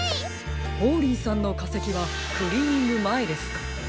ホーリーさんのかせきはクリーニングまえですか？